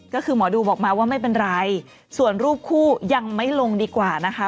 ก็คือหมอดูบอกมาว่าไม่เป็นไรส่วนรูปคู่ยังไม่ลงดีกว่านะคะ